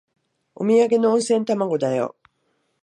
おみやげの温泉卵だよ。